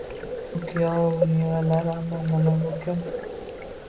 Bu kuyovi, bu nevaralari, ammo mana bu kim?